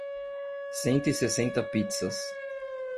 Cento e sessenta pizzas